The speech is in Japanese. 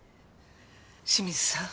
清水さん。